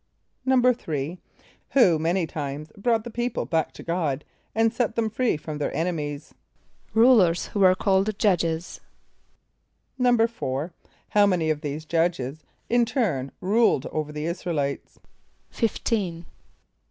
= =3.= Who many times brought the people back to God, and set them free from their enemies? =Rulers who were called Judges.= =4.= How many of these "judges" in turn ruled over the [)I][s+]´ra el [=i]tes? =Fifteen.